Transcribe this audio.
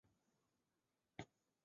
他的诗简短而精深。